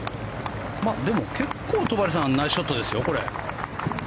でも結構戸張さんナイスショットですよ、これ。